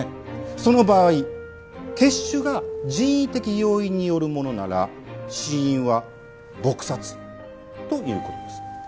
その場合血腫が人為的要因によるものなら死因は撲殺という事です。